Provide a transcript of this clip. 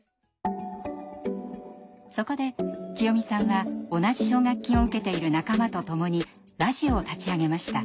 そこできよみさんは同じ奨学金を受けている仲間と共にラジオを立ち上げました。